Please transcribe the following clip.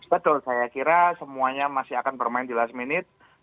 betul saya kira semuanya masih akan bermain di last minute